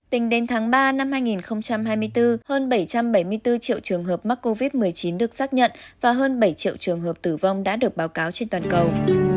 tính đến tháng ba năm hai nghìn hai mươi bốn hơn bảy trăm bảy mươi bốn triệu trường hợp mắc covid một mươi chín được xác nhận và hơn bảy triệu trường hợp tử vong đã được báo cáo trên toàn cầu